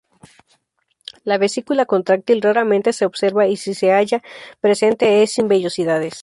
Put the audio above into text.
La vesícula contráctil raramente se observa y si se halla presente es sin vellosidades.